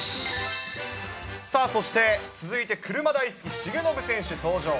さあ、そして続いて車大好き、重信選手登場。